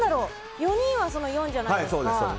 ４人は、その４じゃないですか。